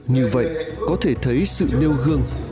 như vậy có thể thấy sự nêu gương